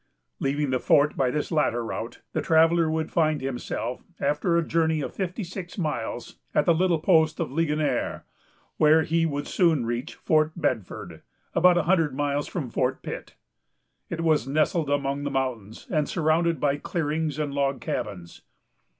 Leaving the fort by this latter route, the traveller would find himself, after a journey of fifty six miles, at the little post of Ligonier, whence he would soon reach Fort Bedford, about a hundred miles from Fort Pitt. It was nestled among mountains, and surrounded by clearings and log cabins.